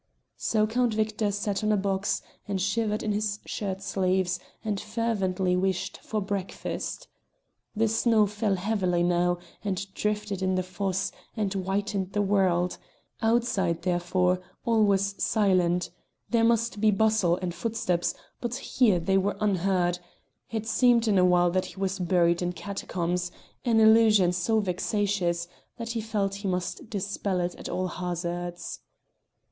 So Count Victor sat on a box and shivered in his shirt sleeves and fervently wished for breakfast. The snow fell heavily now, and drifted in the fosse and whitened the world; outside, therefore, all was silent; there must be bustle and footsteps, but here they were unheard: it seemed in a while that he was buried in catacombs, an illusion so vexatious that he felt he must dispel it at all hazards.